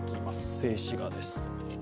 静止画です。